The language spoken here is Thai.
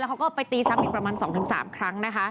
แล้วเขาก็ไปตีซักอีกประมาณ๒๓ที